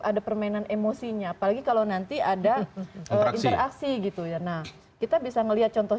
ada permainan emosinya apalagi kalau nanti ada interaksi gitu ya nah kita bisa melihat contoh